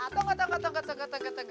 tunggu tunggu tunggu